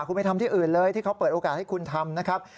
คุณไปทำที่อื่นเลยที่เขาเปิดโอกาสให้คุณทำนะครับ